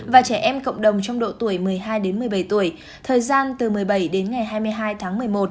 và trẻ em cộng đồng trong độ tuổi một mươi hai đến một mươi bảy tuổi thời gian từ một mươi bảy đến ngày hai mươi hai tháng một mươi một